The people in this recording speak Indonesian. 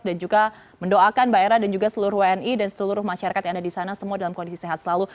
dan juga mendoakan mbak era dan juga seluruh wni dan seluruh masyarakat yang ada di sana semua dalam kondisi sehat selalu